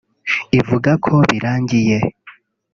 ivuga ko birangiye